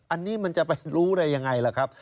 อันนี้มันจะไปรู้ได้ยังไงล่ะครับ